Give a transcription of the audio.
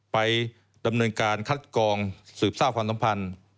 ไปดำเนินการคัดกองสืบทราบความสัมพันธ์